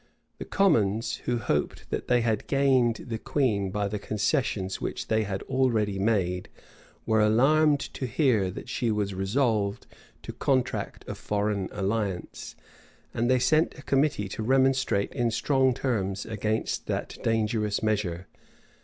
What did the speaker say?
The commons, who hoped that they had gained the queen by the concessions which they had already made, were alarmed to hear that she was resolved to contract a foreign alliance; and they sent a committee to remonstrate in strong terms against that dangerous measure.